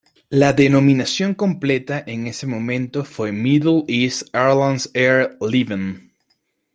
La denominación completa en ese momento fue Middle East Airlines Air Liban.